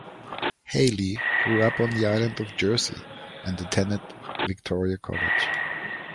Haley grew up on the island of Jersey and attended Victoria College.